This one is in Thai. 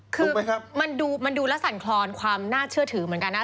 คือมันดูละสังครรภ์ความน่าเชื่อถือเหมือนกันนะ